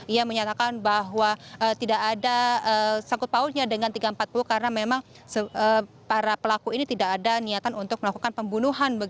ia menyatakan bahwa tidak ada sangkut pautnya dengan tiga ratus empat puluh karena memang para pelaku ini tidak ada niatan untuk melakukan pembunuhan